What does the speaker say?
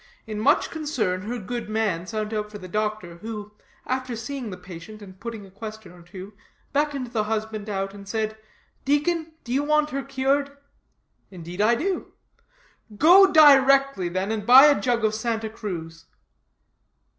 In much concern her good man sent for the doctor, who, after seeing the patient and putting a question or two, beckoned the husband out, and said: 'Deacon, do you want her cured?' 'Indeed I do.' 'Go directly, then, and buy a jug of Santa Cruz.'